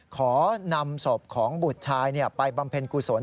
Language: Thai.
ขอนำศพของบุตรชายไปบำเพ็ญกุศล